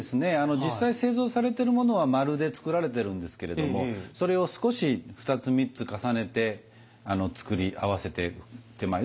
実際製造されてるものは丸で作られてるんですけれどもそれを少し２つ３つ重ねて作り合わせて手前では使うようにしています。